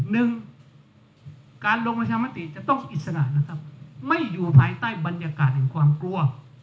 หนึ่งการลงประชามติจะต้องอิสระนะครับไม่อยู่ภายใต้บรรยากาศแห่งความกลัว